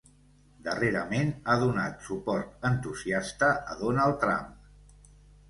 Darrerament ha donat suport entusiasta a Donald Trump.